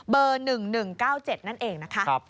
เบอร์๑๑๙๗นั่นเองนะคะ